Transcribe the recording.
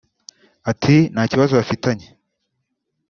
Ati “ Nta kibazo bafitanye